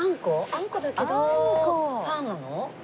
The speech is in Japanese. あんこだけどパンなの？